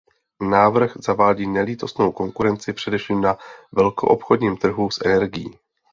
Návrh zavádí nelítostnou konkurenci, především na velkoobchodním trhu s energií.